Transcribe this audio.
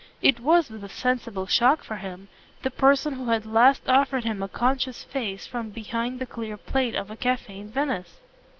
It was, with a sensible shock for him, the person who had last offered him a conscious face from behind the clear plate of a cafe in Venice.